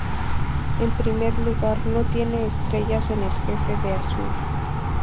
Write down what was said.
En primer lugar, no tiene estrellas en el jefe de azur.